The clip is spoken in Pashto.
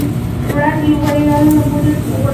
وړانګې وويل مور يې غونډل وچېچلې.